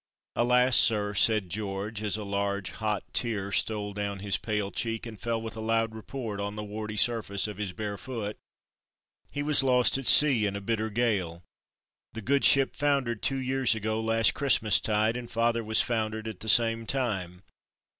"Alas! sir," said George, as a large hot tear stole down his pale cheek, and fell with a loud report on the warty surface of his bare foot, "he was lost at sea in a bitter gale. The good ship foundered two years ago last Christmastide, and father was foundered at the same time.